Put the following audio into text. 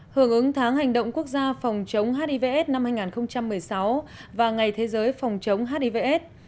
hưởng ứng tháng hành động quốc gia phòng chống hiv aids năm hai nghìn một mươi sáu và ngày thế giới phòng chống hiv aids